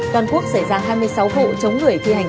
toàn quốc xảy ra hai mươi sáu vụ chống người thi hành